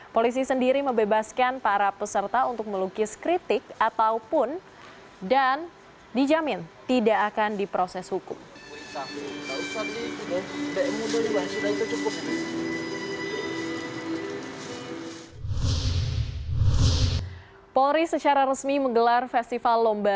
polisi sendiri mebebaskan para peserta untuk melukis kritik ataupun dan dijamin tidak akan diproses hukum